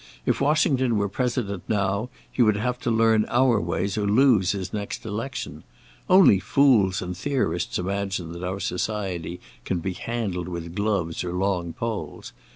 If Washington were President now, he would have to learn our ways or lose his next election. Only fools and theorists imagine that our society can be handled with gloves or long poles.